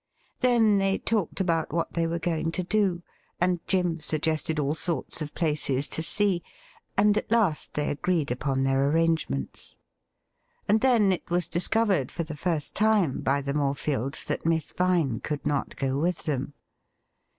Then they talked about what they were going to do, and Jim suggested all sorts of places to see, and at last SOMEONE HAS BLUNDERED 83 they agreed upon their arrangements. And then it was discovered, for the first time by the Morefields, that Miss Vine could not go with them.